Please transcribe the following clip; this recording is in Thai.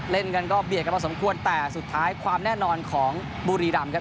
เล่นกันก็เบียดกันพอสมควรแต่สุดท้ายความแน่นอนของบุรีรำครับ